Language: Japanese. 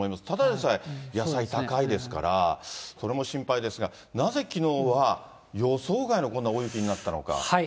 ただでさえ野菜高いですから、それも心配ですが、なぜきのうは予想外のこんな大雪になったのか。